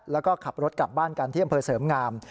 แล้วก็ขับรถกลับบ้านกันที่อำเภอเสริมงาม